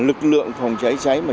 lực lượng phòng cháy cháy